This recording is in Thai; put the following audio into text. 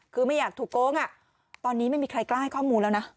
คือไม่อยากถูกโกงตอนนี้ไม่มีใครกล้าให้ข้อมูลแล้วนะ